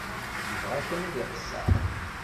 Yebɣa kan ad iqeṣṣer.